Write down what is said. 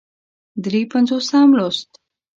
درې پينځوسم لوست